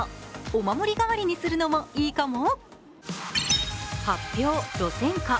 お守り代わりにするのもいいかも。